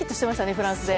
フランスで。